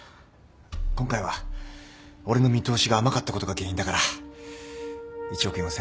今回は俺の見通しが甘かったことが原因だから１億４，０００万は俺が出します。